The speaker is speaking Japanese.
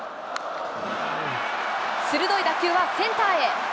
鋭い打球はセンターへ。